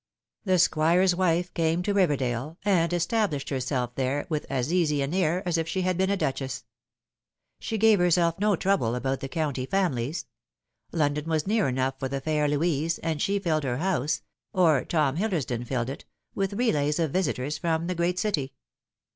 The Squire's wife came to Riverdale, and established herself there with as easy an air as if she had been a duchess. She gave herself no trouble about the county families. London was near enough for the fair Louise, and she filled her house or Tom Hillersdon filled it with relays of visitors from the great city.